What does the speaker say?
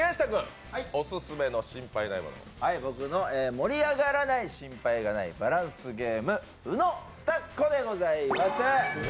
僕の盛り上がらない心配のないバランスゲーム「ウノスタッコ」でございます。